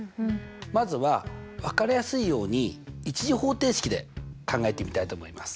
まずは分かりやすいように１次方程式で考えてみたいと思います。